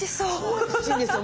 おいしいんですよ。